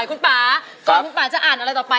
คุณปาก่อนจะอ่านอะไรต่อไป